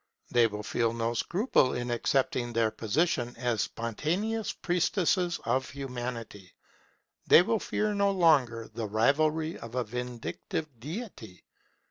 They will feel no scruple in accepting their position as spontaneous priestesses of Humanity; they will fear no longer the rivalry of a vindictive Deity.